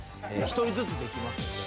１人ずつできますので。